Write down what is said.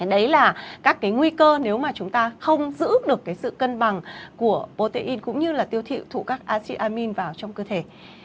đấy là các cái nguy cơ nếu mà chúng ta không giữ được sự cân bằng của protein cũng như là tiêu thụ các aci amin vào trong cơ thể